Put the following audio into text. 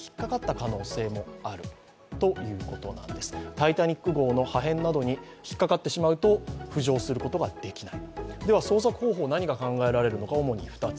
「タイタニック」号の破片などに引っ掛かってしまうと浮上することができない。